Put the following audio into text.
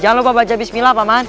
jangan lupa baca bismillah paman